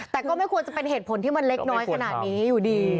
แต่ก็ไม่ควรจะเป็นเหตุผลที่มันเล็กน้อยขนาดนี้อยู่ดี